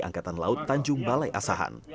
angkatan laut tanjung balai asahan